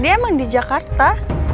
dia emang di jakarta